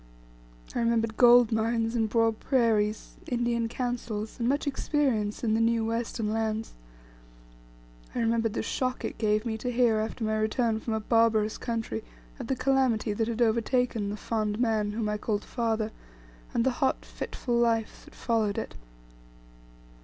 I remembered gold mines, and broad prairies, Indian councils, and much experience in the new western lands. I remembered the shock it gave me to hear after my return from a barbarous country of the calamity that had overtaken the fond man whom I called father, and the hot fitful life that followed it.